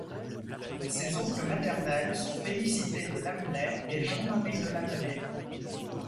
Ses oncles maternels sont Félicité de Lamennais et Jean-Marie de Lamennais.